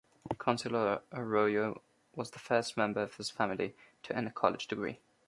Councillor Arroyo was the first member of his family to earn a college degree.